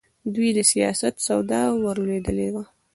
دوی د سیاست سودا ورلوېدلې وه.